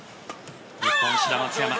日本、志田・松山。